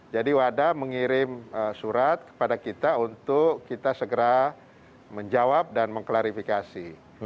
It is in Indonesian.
jadi wada mengirim surat kepada kita untuk kita segera menjawab dan mengklarifikasi